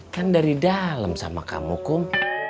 kan dari dalam sama kamu kum